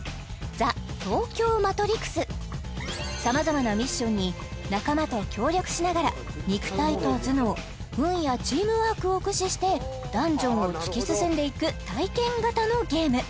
ＴＨＥＴＯＫＹＯＭＡＴＲＩＸさまざまなミッションに仲間と協力しながら肉体と頭脳運やチームワークを駆使してダンジョンを突き進んでいく体験型のゲーム